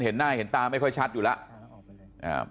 เห็นหน้าเห็นตาไม่ค่อยชัดอยู่แล้ว